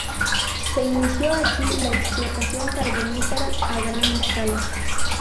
Se inició así la explotación carbonífera a gran escala.